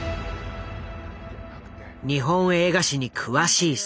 日本映画史に詳しい佐藤。